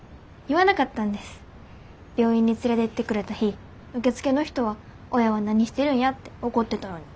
病院に連れていってくれた日受付の人は「親は何してるんや」って怒ってたのに。